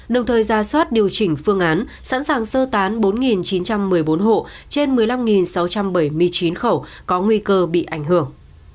đồng thời ra soát điều chỉnh phương án sẵn sàng sơ tán bốn chín trăm một mươi bốn hộ trên một mươi năm sáu trăm bảy mươi chín khẩu có nguy cơ bị ảnh hưởng